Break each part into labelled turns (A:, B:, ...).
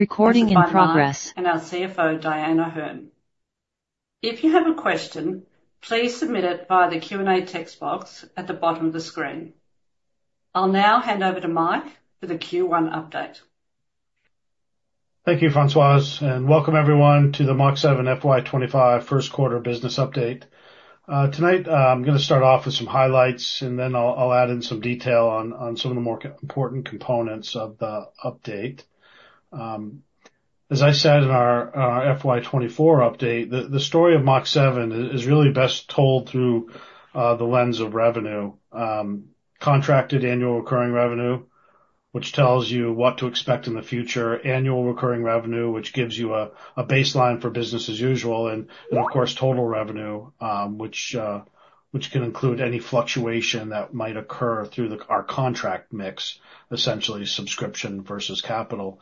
A: Our CFO, Dyan O'Herne. If you have a question, please submit it via the Q&A text box at the bottom of the screen. I'll now hand over to Mike for the Q1 update.
B: Thank you, Françoise, and welcome everyone to the Mach7 FY25 first quarter business update. Tonight, I'm going to start off with some highlights, and then I'll add in some detail on some of the more important components of the update. As I said in our FY24 update, the story of Mach7 is really best told through the lens of revenue: contracted annual recurring revenue, which tells you what to expect in the future, annual recurring revenue, which gives you a baseline for business as usual and total revenue, which can include any fluctuation that might occur through our contract mix, essentially subscription versus capital.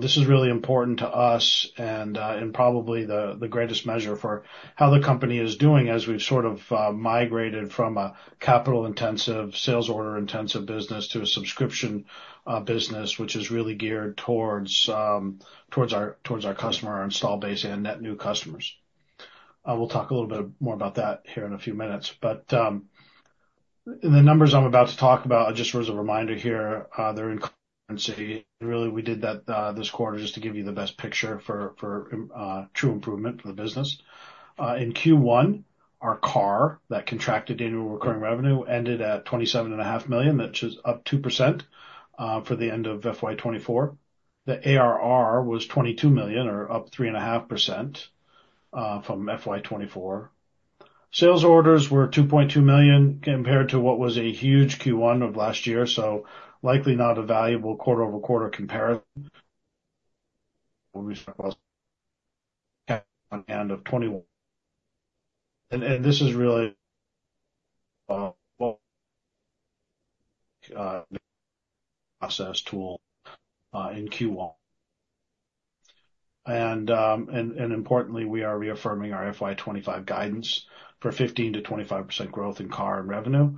B: This is really important to us and probably the greatest measure for how the company is doing as we've migrated from a capital-intensive, sales-order-intensive business to a subscription business, which is really geared towards our customer, our install base, and net new customers. We'll talk a little bit more about that here in a few minutes. The numbers I'm about to talk about, just as a reminder here, they're in currency. Really, we did that this quarter just to give you the best picture for true improvement for the business. In Q1, our CARR, that contracted annual recurring revenue, ended at 27.5 million, which is up 2% for the end of FY24. The ARR was 22 million, or up 3.5% from FY24. Sales orders were 2.2 million compared to what was a huge Q1 of last year, so likely not a valuable quarter-over-quarter comparison. We spent about on the end of 2021. This is really a process tool in Q1. Importantly, we are reaffirming our FY25 guidance for 15%-25% growth in CAR and revenue.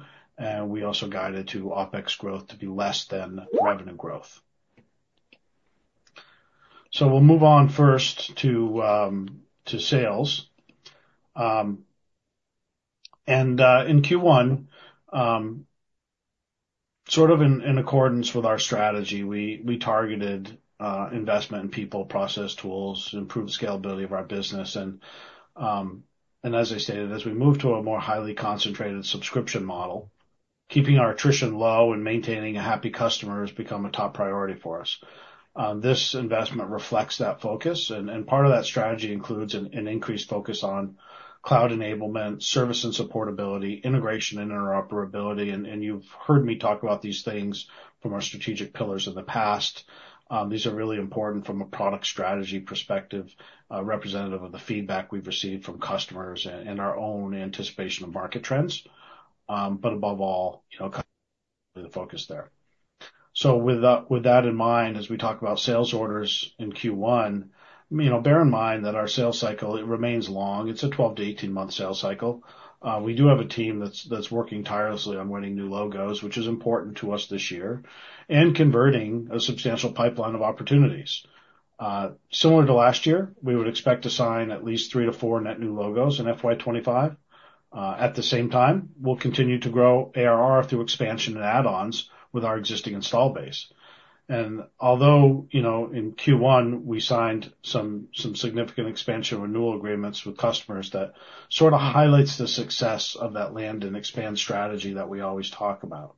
B: We also guided to OPEX growth to be less than revenue growth. We'll move on first to sales. In Q1 in accordance with our strategy, we targeted investment in people, process tools, improved scalability of our business. As I stated, as we move to a more highly concentrated subscription model, keeping our attrition low and maintaining happy customers become a top priority for us. This investment reflects that focus. Part of that strategy includes an increased focus on cloud enablement, service and supportability, integration and interoperability. You've heard me talk about these things from our strategic pillars in the past. These are really important from a product strategy perspective, representative of the feedback we've received from customers and our own anticipation of market trends. Above all, the focus there. With that in mind, as we talk about sales orders in Q1, bear in mind that our sales cycle, it remains long. It's a 12- to 18-month sales cycle. We do have a team that's working tirelessly on winning new logos, which is important to us this year, and converting a substantial pipeline of opportunities. Similar to last year, we would expect to sign at least three to four net new logos in FY25. At the same time, we'll continue to grow ARR through expansion and add-ons with our existing install base. Although in Q1, we signed some significant expansion renewal agreements with customers, that highlights the success of that land and expand strategy that we always talk about.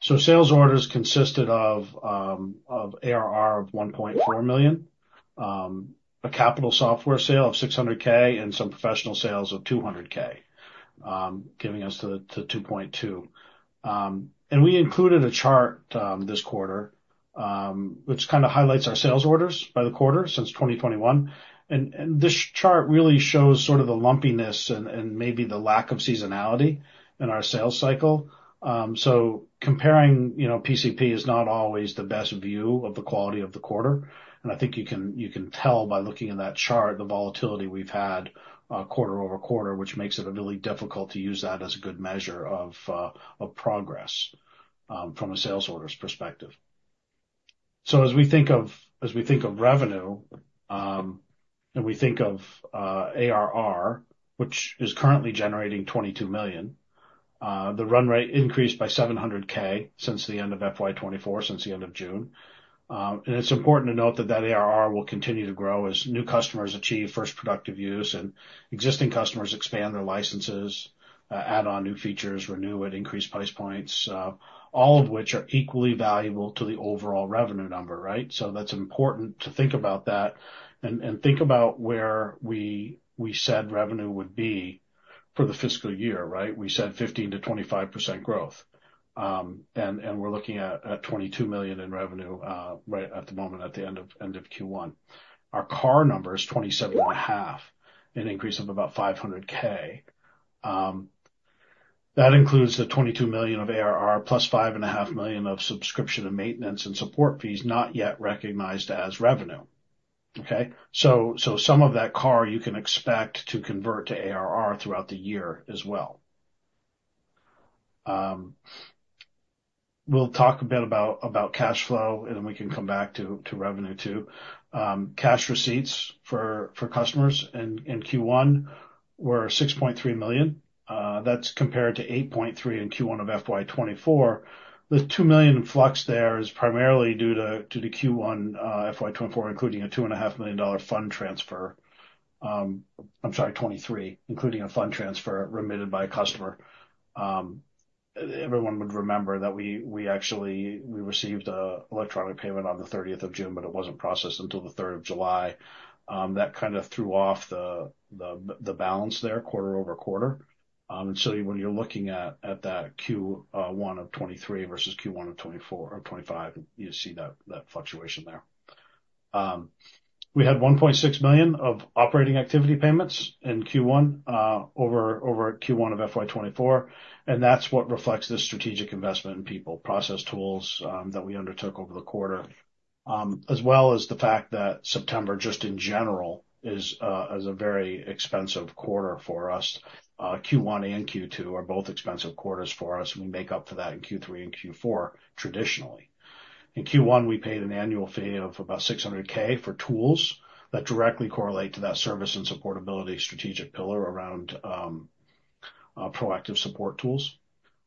B: Sales orders consisted of ARR of 1.4 million, a capital software sale of 600,000, and some professional services of 200,000, giving us to 2.2 million. We included a chart this quarter, which highlights our sales orders by the quarter since 2021. This chart really shows the lumpiness and maybe the lack of seasonality in our sales cycle. Comparing PCP is not always the best view of the quality of the quarter. I think you can tell by looking at that chart the volatility we've had quarter over quarter, which makes it really difficult to use that as a good measure of progress from a sales orders perspective. As we think of revenue and we think of ARR, which is currently generating 22 million, the run rate increased by 700,000 since the end of FY24, since the end of June. It's important to note that that ARR will continue to grow as new customers achieve first productive use and existing customers expand their licenses, add on new features, renew at increased price points, all of which are equally valuable to the overall revenue number, right? That's important to think about that and think about where we said revenue would be for the fiscal year, right? We said 15%-25% growth. We're looking at 22 million in revenue right at the moment at the end of Q1. Our CARR number is 27.5, an increase of about 500,000. That includes the 22 million of ARR plus 5.5 million of subscription and maintenance and support fees not yet recognized as revenue. Okay? Some of that CARR you can expect to convert to ARR throughout the year as well. We'll talk a bit about cash flow, and then we can come back to revenue too. Cash receipts for customers in Q1 were 6.3 million. That's compared to 8.3 million in Q1 of FY24. The 2 million flux there is primarily due to Q1 FY24, including a 2.5 million-dollar fund transfer, I'm sorry, 23, including a fund transfer remitted by a customer. Everyone would remember that we actually received an electronic payment on the 30th of June, but it wasn't processed until the 3rd of July. That threw off the balance there quarter over quarter. When you're looking at that Q1 of 2023 versus Q1 of 2024 or 2025, you see that fluctuation there. We had 1.6 million of operating activity payments in Q1 over Q1 of FY24. That's what reflects the strategic investment in people, process tools that we undertook over the quarter, as well as the fact that September, just in general, is a very expensive quarter for us. Q1 and Q2 are both expensive quarters for us. We make up for that in Q3 and Q4 traditionally. In Q1, we paid an annual fee of about 600,000 for tools that directly correlate to that service and supportability strategic pillar around proactive support tools.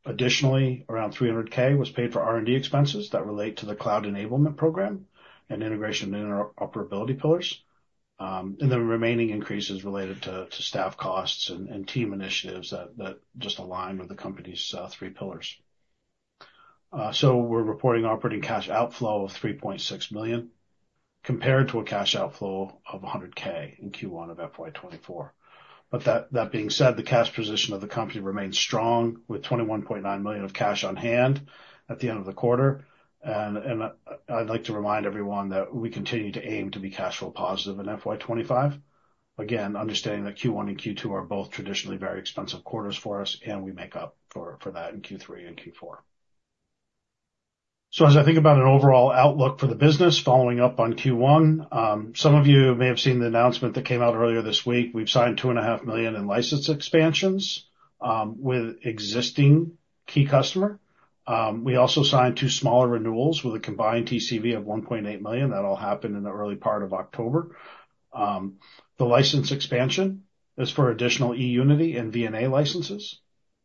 B: Additionally, around 300,000 was paid for R&D expenses that relate to the cloud enablement program and integration and interoperability pillars. Then remaining increases related to staff costs and team initiatives that just align with the company's three pillars. So we're reporting operating cash outflow of 3.6 million compared to a cash outflow of 100K in Q1 of FY24. That being said, the cash position of the company remains strong with 21.9 million of cash on hand at the end of the quarter. I'd like to remind everyone that we continue to aim to be cash flow positive in FY25. Again, understanding that Q1 and Q2 are both traditionally very expensive quarters for us, and we make up for that in Q3 and Q4. As I think about an overall outlook for the business following up on Q1, some of you may have seen the announcement that came out earlier this week. We've signed 2.5 million in license expansions with existing key customers. We also signed two smaller renewals with a combined TCV of 1.8 million. That all happened in the early part of October. The license expansion is for additional eUnity and VNA licenses.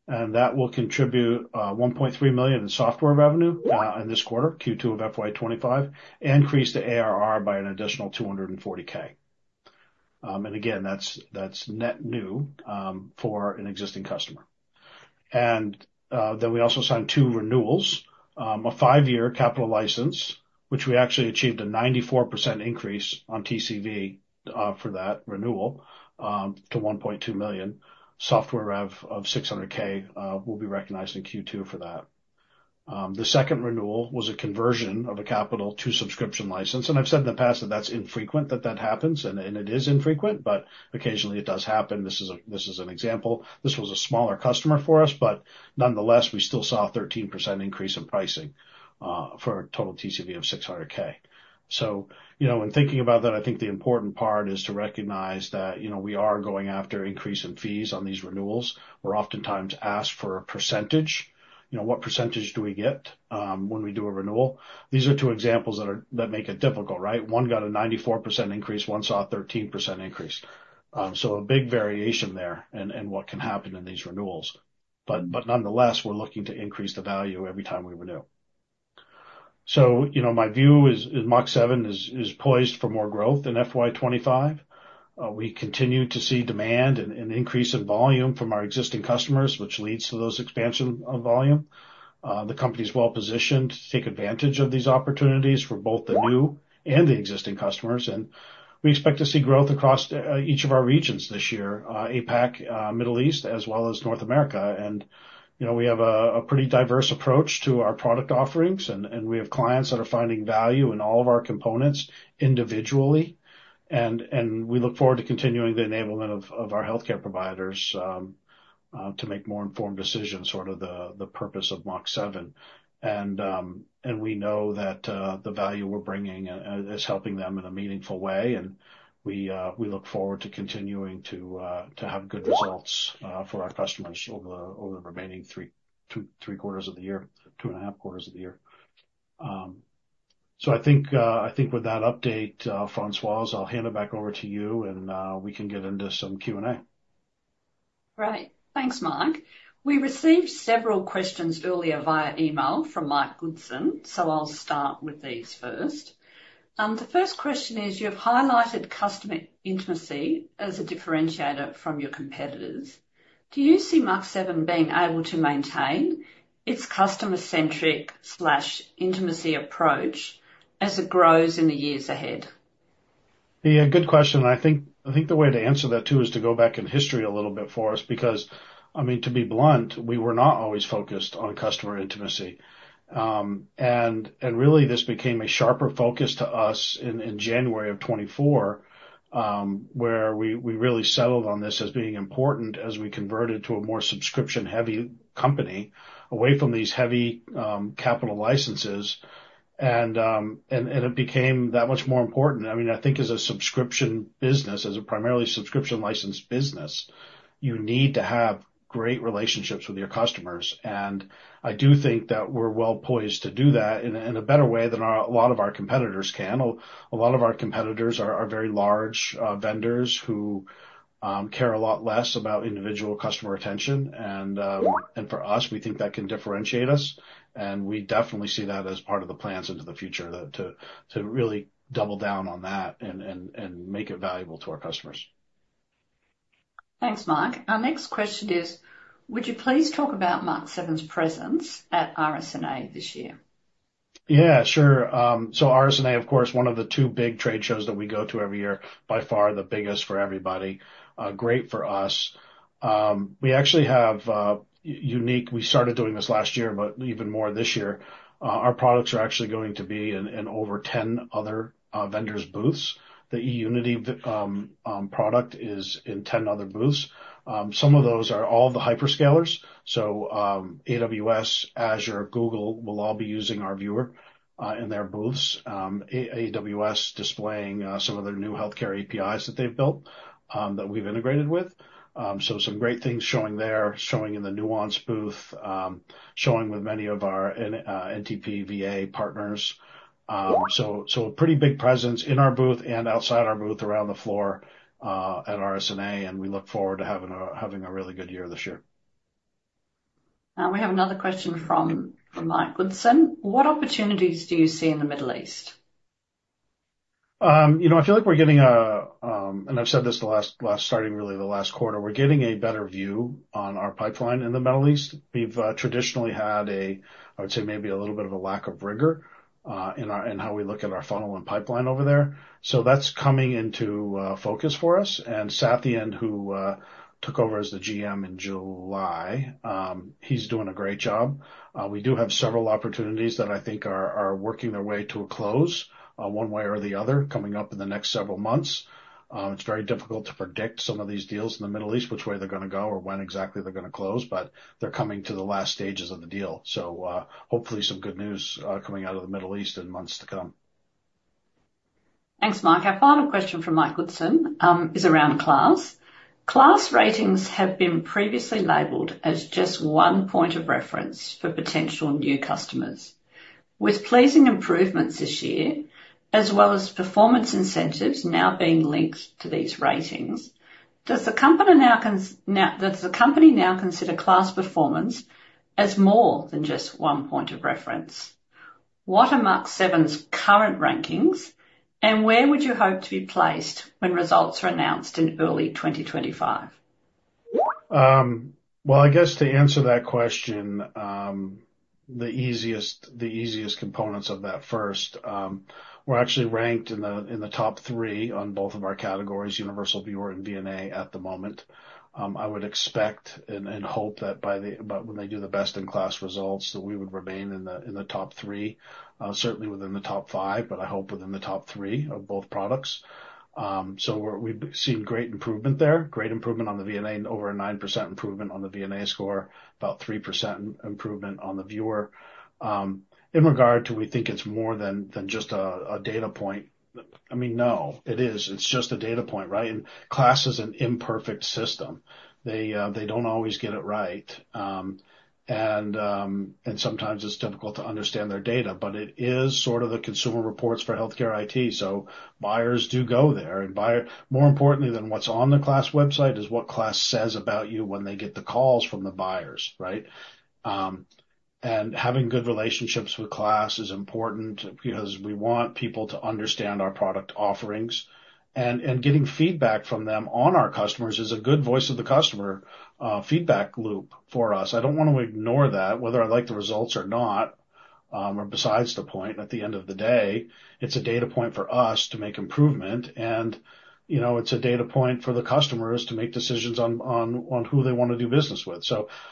B: That will contribute 1.3 million in software revenue in this quarter, Q2 of FY25, and increase the ARR by an additional 240K. And again, that's net new for an existing customer. And then we also signed two renewals, a five-year capital license, which we actually achieved a 94% increase on TCV for that renewal to 1.2 million. Software rev of 600K will be recognized in Q2 for that. The second renewal was a conversion of a capital to subscription license. I've said in the past that that's infrequent that that happens, and it is infrequent, but occasionally it does happen. This is an example. This was a smaller customer for us, but nonetheless, we still saw a 13% increase in pricing for a total TCV of 600K. So in thinking about that, I think the important part is to recognize that we are going after increase in fees on these renewals. We're oftentimes asked for a percentage. What percentage do we get when we do a renewal? These are two examples that make it difficult, right? One got a 94% increase. One saw a 13% increase. So a big variation there in what can happen in these renewals. Nonetheless, we're looking to increase the value every time we renew. My view is Mach7 is poised for more growth in FY25. We continue to see demand and increase in volume from our existing customers, which leads to those expansions of volume. The company is well positioned to take advantage of these opportunities for both the new and the existing customers. And we expect to see growth across each of our regions this year, APAC, Middle East, as well as North America. And we have a pretty diverse approach to our product offerings, and we have clients that are finding value in all of our components individually. And we look forward to continuing the enablement of our healthcare providers to make more informed decisions for the purpose of Mach7. We know that the value we're bringing is helping them in a meaningful way. We look forward to continuing to have good results for our customers over the remaining three quarters of the year, two and a half quarters of the year. I think with that update, Françoise, I'll hand it back over to you, and we can get into some Q&A.
A: Right. Thanks, Mike. We received several questions earlier via email from Mark Goodson, so I'll start with these first. The first question is, you've highlighted customer intimacy as a differentiator from your competitors. Do you see Mach7 being able to maintain its customer-centric/intimacy approach as it grows in the years ahead?
B: Yeah, good question. I think the way to answer that too is to go back in history a little bit for us because, I mean, to be blunt, we were not always focused on customer intimacy. And really, this became a sharper focus to us in January of 2024, where we really settled on this as being important as we converted to a more subscription-heavy company away from these heavy capital licenses. It became that much more important. I mean, I think as a subscription business, as a primarily subscription license business, you need to have great relationships with your customers. I do think that we're well poised to do that in a better way than a lot of our competitors can. A lot of our competitors are very large vendors who care a lot less about individual customer attention. For us, we think that can differentiate us. We definitely see that as part of the plans into the future to really double down on that and make it valuable to our customers.
A: Thanks, Mike. Our next question is, would you please talk about Mach7's presence at RSNA this year?
B: Yeah, sure. RSNA, of course, one of the two big trade shows that we go to every year, by far the biggest for everybody. Great for us. We actually have unique. We started doing this last year, but even more this year. Our products are actually going to be in over 10 other vendors' booths. The eUnity product is in 10 other booths. Some of those are all the hyperscalers. AWS, Azure, Google will all be using our viewer in their booths. AWS displaying some of their new healthcare APIs that they've built that we've integrated with. Some great things showing there, showing in the Nuance booth, showing with many of our VNA partners. A pretty big presence in our booth and outside our booth around the floor at RSNA, and we look forward to having a really good year this year.
A: We have another question from Mark Goodson. What opportunities do you see in the Middle East?
B: I feel like we're getting a, and I've said this the last, starting really the last quarter, we're getting a better view on our pipeline in the Middle East. We've traditionally had a, I would say, maybe a little bit of a lack of rigor in how we look at our funnel and pipeline over there. So that's coming into focus for us, and Sathian, who took over as the GM in July, he's doing a great job. We do have several opportunities that I think are working their way to a close one way or the other coming up in the next several months. It's very difficult to predict some of these deals in the Middle East, which way they're going to go or when exactly they're going to close, but they're coming to the last stages of the deal. Hopefully some good news coming out of the Middle East in months to come.
A: Thanks, Mike. Our final question from Mark Goodson is around KLAS. KLAS ratings have been previously labeled as just one point of reference for potential new customers. With pleasing improvements this year, as well as performance incentives now being linked to these ratings, does the company now consider KLAS performance as more than just one point of reference? What are Mach7's current rankings, and where would you hope to be placed when results are announced in early 2025?
B: To answer that question, the easiest components of that first. We're actually ranked in the top three on both of our categories, Universal Viewer and VNA at the moment. I would expect and hope that by when they do the best-in-class results, that we would remain in the top three, certainly within the top five, but I hope within the top three of both products. We've seen great improvement there, great improvement on the VNA, over a 9% improvement on the VNA score, about 3% improvement on the viewer. In regard to, we think it's more than just a data point. I mean, no, it is. It's just a data point, right? KLAS is an imperfect system. They don't always get it right. And sometimes it's difficult to understand their data, but it is the consumer reports for healthcare IT. Buyers do go there. And more importantly than what's on the KLAS website is what KLAS says about you when they get the calls from the buyers, right? And having good relationships with KLAS is important because we want people to understand our product offerings. And getting feedback from them on our customers is a good voice of the customer feedback loop for us. I don't want to ignore that, whether I like the results or not, or besides the point at the end of the day. It's a data point for us to make improvement, and it's a data point for the customers to make decisions on who they want to do business with.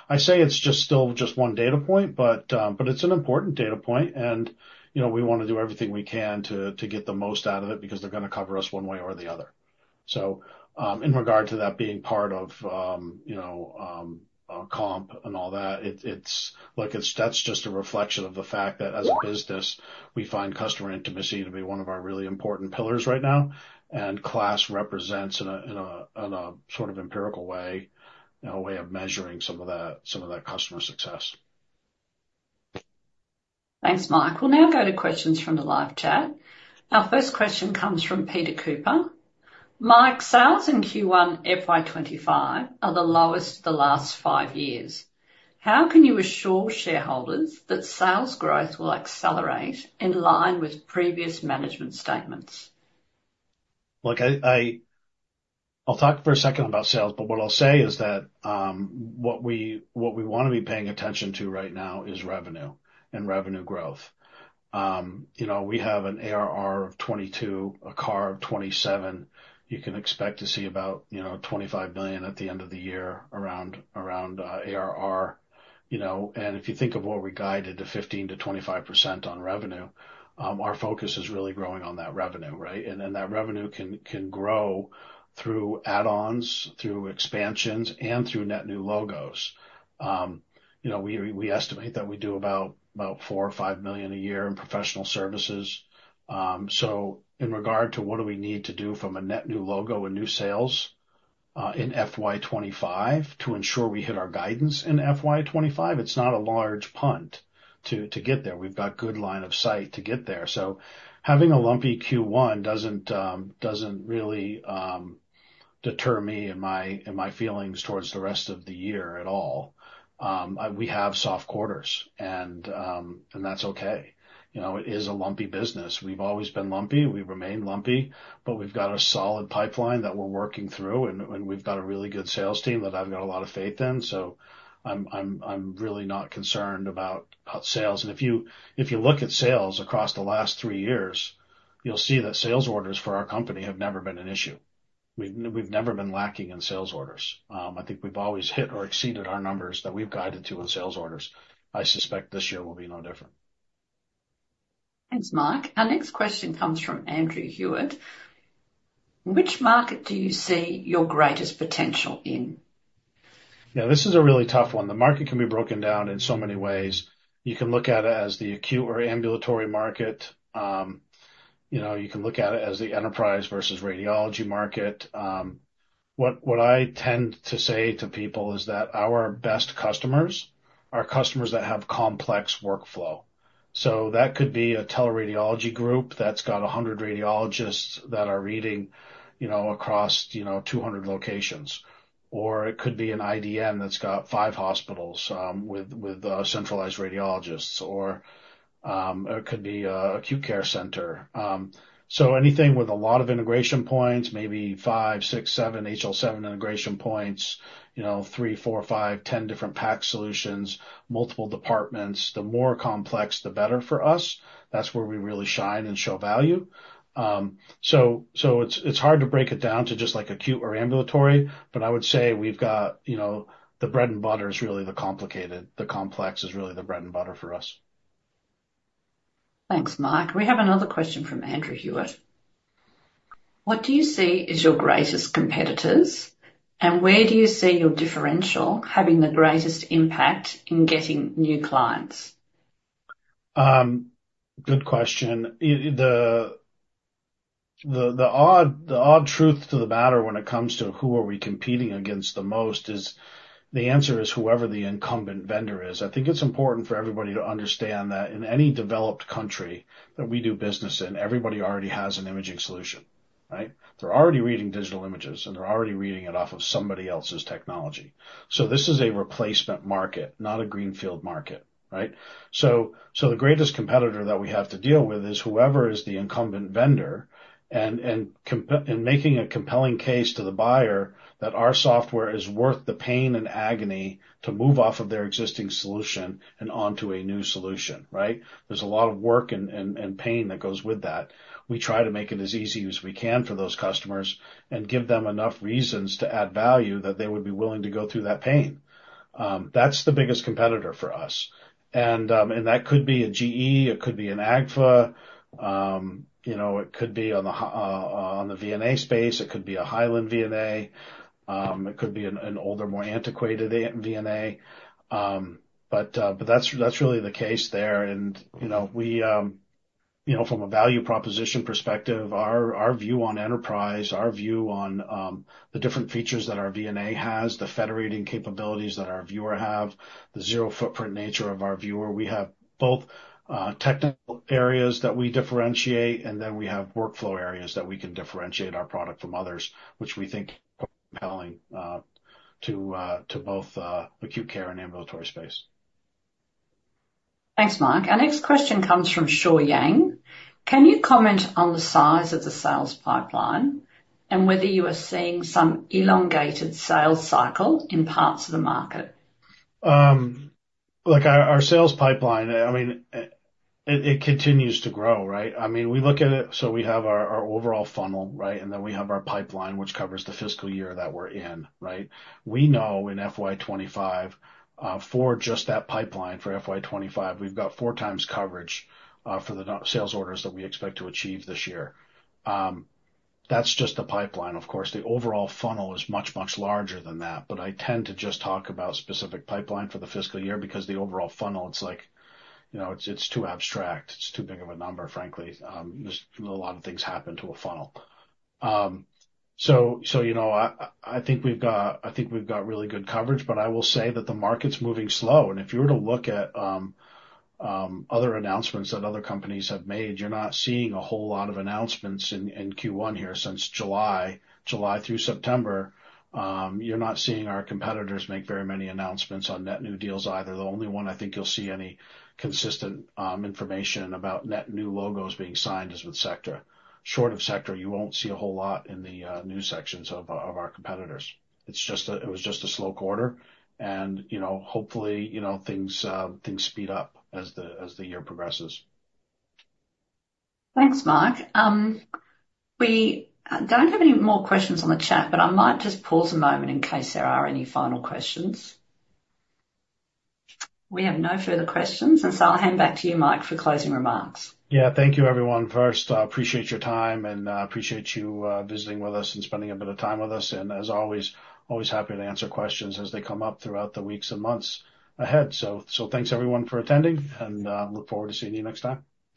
B: I say it's just still just one data point, but it's an important data point, and we want to do everything we can to get the most out of it because they're going to cover us one way or the other. In regard to that being part of comp and all that, that's just a reflection of the fact that as a business, we find customer intimacy to be one of our really important pillars right now. KLAS represents in a empirical way a way of measuring some of that customer success.
A: Thanks, Mike. We'll now go to questions from the live chat. Our first question comes from Peter Cooper. Mike, sales in Q1 FY25 are the lowest the last five years. How can you assure shareholders that sales growth will accelerate in line with previous management statements?
B: Look, I'll talk for a second about sales, but what I'll say is that what we want to be paying attention to right now is revenue and revenue growth. We have an ARR of 22 million, a CARR of 27 million. You can expect to see about 25 million at the end of the year around ARR. And if you think of what we guided to 15%-25% on revenue, our focus is really growing on that revenue, right? And that revenue can grow through add-ons, through expansions, and through net new logos. We estimate that we do about four or five million a year in professional services. In regard to what do we need to do from a net new logo and new sales in FY25 to ensure we hit our guidance in FY25, it's not a large punt to get there. We've got good line of sight to get there, so having a lumpy Q1 doesn't really deter me and my feelings towards the rest of the year at all. We have soft quarters, and that's okay. It is a lumpy business. We've always been lumpy. We remain lumpy, but we've got a solid pipeline that we're working through, and we've got a really good sales team that I've got a lot of faith in, so I'm really not concerned about sales, and if you look at sales across the last three years, you'll see that sales orders for our company have never been an issue. We've never been lacking in sales orders. I think we've always hit or exceeded our numbers that we've guided to in sales orders. I suspect this year will be no different.
A: Thanks, Mark. Our next question comes from Andrew Hewitt. Which market do you see your greatest potential in?
B: Yeah, this is a really tough one. The market can be broken down in so many ways. You can look at it as the acute or ambulatory market. You can look at it as the enterprise versus radiology market. What I tend to say to people is that our best customers are customers that have complex workflow. That could be a teleradiology group that's got 100 radiologists that are reading across 200 locations. Or it could be an IDN that's got five hospitals with centralized radiologists, or it could be an acute care center. So anything with a lot of integration points, maybe five, six, seven, HL7 integration points, three, four, five, 10 different PACS solutions, multiple departments, the more complex, the better for us. That's where we really shine and show value. It's hard to break it down to just acute or ambulatory, but I would say the bread and butter is really the complex for us.
A: Thanks, Mike. We have another question from Andrew Hewitt. What do you see as your greatest competitors, and where do you see your differential having the greatest impact in getting new clients?
B: Good question. The odd truth to the matter when it comes to who are we competing against the most is the answer is whoever the incumbent vendor is. I think it's important for everybody to understand that in any developed country that we do business in, everybody already has an imaging solution, right? They're already reading digital images, and they're already reading it off of somebody else's technology. This is a replacement market, not a greenfield market, right? The greatest competitor that we have to deal with is whoever is the incumbent vendor and making a compelling case to the buyer that our software is worth the pain and agony to move off of their existing solution and onto a new solution, right? There's a lot of work and pain that goes with that. We try to make it as easy as we can for those customers and give them enough reasons to add value that they would be willing to go through that pain. That's the biggest competitor for us, and that could be a GE, it could be an Agfa, it could be on the VNA space, it could be a Hyland VNA, it could be an older, more antiquated VNA. That's really the case there, and from a value proposition perspective, our view on enterprise, our view on the different features that our VNA has, the federating capabilities that our viewer have, the zero-footprint nature of our viewer, we have both technical areas that we differentiate, and then we have workflow areas that we can differentiate our product from others, which we think are compelling to both acute care and ambulatory space.
A: Thanks, Mike. Our next question comes from Shaw Yang. Can you comment on the size of the sales pipeline and whether you are seeing some elongated sales cycle in parts of the market?
B: Look, our sales pipeline, I mean, it continues to grow, right? I mean, we look at it, so we have our overall funnel, right? Then we have our pipeline, which covers the fiscal year that we're in, right? We know in FY25, for just that pipeline for FY25, we've got four times coverage for the sales orders that we expect to achieve this year. That's just the pipeline, of course. The overall funnel is much, much larger than that, but I tend to just talk about specific pipeline for the fiscal year because the overall funnel, it's like it's too abstract. It's too big of a number, frankly. There's a lot of things happen to a funnel. I think we've got really good coverage, but I will say that the market's moving slow. If you were to look at other announcements that other companies have made, you're not seeing a whole lot of announcements in Q1 here since July, July through September. You're not seeing our competitors make very many announcements on net new deals either. The only one I think you'll see any consistent information about net new logos being signed is with Sectra. Short of Sectra, you won't see a whole lot in the news sections of our competitors. It was just a slow quarter, and hopefully things speed up as the year progresses.
A: Thanks, Mike. We don't have any more questions on the chat, but I might just pause a moment in case there are any final questions. We have no further questions, and so I'll hand back to you, Mike, for closing remarks.
B: Yeah, thank you, everyone. First, I appreciate your time and appreciate you visiting with us and spending a bit of time with us. As always, always happy to answer questions as they come up throughout the weeks and months ahead. Thanks, everyone, for attending, and look forward to seeing you next time.